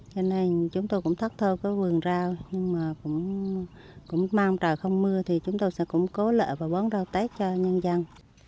cho nên chúng tôi cũng thất thơ cái vườn rau nhưng mà cũng mong trời không mưa thì chúng tôi sẽ cũng cố lợi và bón rau tết cho nhân dân